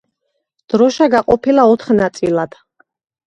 დროშა გაყოფილია ოთხ ნაწილად.